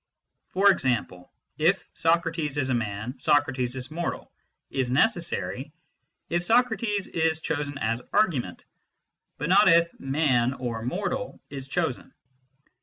For example, "if Socrates is a man, Socrates is mortal," is necessary if Socrates is chosen as argument, but not if man or mortal is chosen.